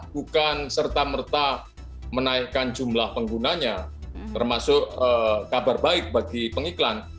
bukan serta merta menaikkan jumlah penggunanya termasuk kabar baik bagi pengiklan